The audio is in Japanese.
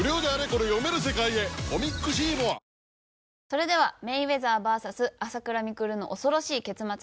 それでは「メイウェザーＶＳ朝倉未来のおそろしい結末」。